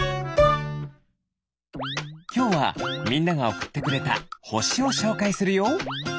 きょうはみんながおくってくれたほしをしょうかいするよ。